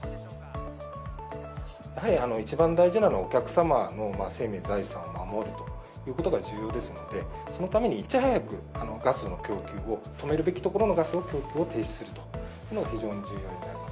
やはり一番大事なのは、お客様の生命、財産を守るということが重要ですので、そのためにいち早く、ガスの供給を、止めるべきところのガスの供給を停止するというのが、非常に重要になります。